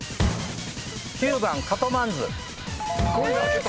９番カトマンズ。